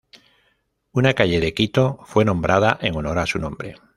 Una calle de Quito fue nombrada en honor a su nombre.